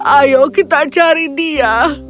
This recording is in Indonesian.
ayo kita cari dia